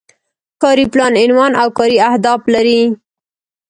کاري پلان عنوان او کاري اهداف لري.